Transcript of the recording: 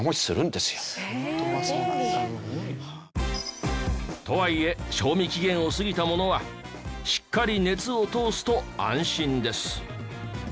すごいな。とはいえ賞味期限を過ぎたものはしっかり熱を通すと安心です。